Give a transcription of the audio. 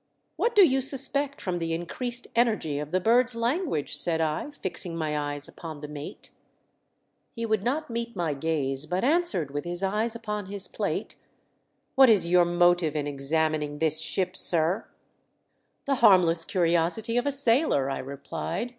" What do you suspect from the increased energy of the bird's language?" said I, fixing my eyes upon the mate. He would not meet my gaze, but answered with his eyes upon his plate, " What is your motive in examining this ship, sir ?" "The harmless curiosity of a sailor," I replied.